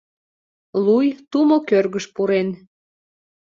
Луй тумо кӧргыш пурен.